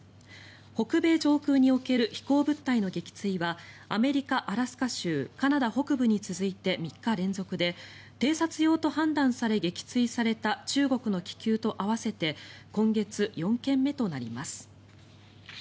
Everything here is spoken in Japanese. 北米上空における飛行物体の撃墜はアメリカ・アラスカ州カナダ北部に続いて３日連続で偵察用と判断され、撃墜された中国の気球と合わせて今月４件目となります。